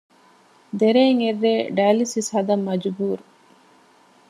ދެރޭން އެއްރޭ ޑައިލިސިސް ހަދަން މަޖުބޫރު